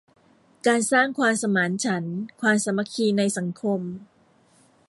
การสร้างความสมานฉันท์ ความสามัคคีในสังคม